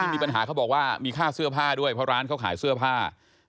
มีปัญหาเขาบอกว่ามีค่าเสื้อผ้าด้วยเพราะร้านเขาขายเสื้อผ้า